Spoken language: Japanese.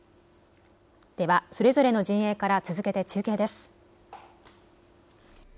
ではそれぞれの陣営から続けて中継です。